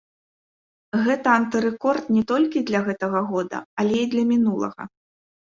Гэта антырэкорд не толькі для гэтага года, але і для мінулага.